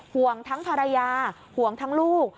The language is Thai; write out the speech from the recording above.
ห่วงทั้งภรรยาห่วงทั้งลูก